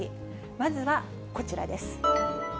まずはこちらです。